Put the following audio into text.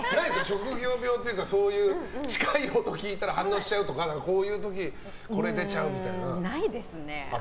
職業病というか近い音聞いたら反応しちゃうとかこういう時にこれが出るとか。